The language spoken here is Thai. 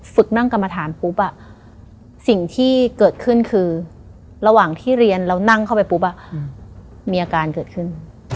ฝึกนั่งกรรมฐานปุ๊บสิ่งที่เกิดขึ้นคือระหว่างที่เรียนแล้วนั่งเข้าไปปุ๊บมีอาการเกิดขึ้น